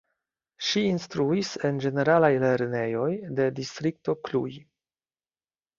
Ŝi instruis en ĝeneralaj lernejoj de Distrikto Cluj.